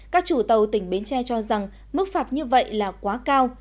các chủ tàu tỉnh bến tre cho rằng mức phạt như vậy là quá cao